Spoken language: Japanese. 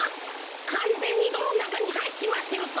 かんぜんにどろんなかにはいっちまってるぞ。